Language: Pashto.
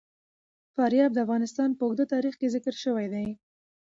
فاریاب د افغانستان په اوږده تاریخ کې ذکر شوی دی.